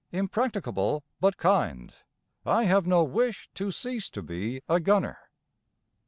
Impracticable, but kind. I have no wish to cease to be a gunner.